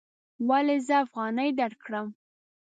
ولې زه افغانۍ درکړم؟